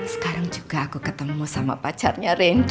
sekarang juga aku ketemu sama pacarnya rain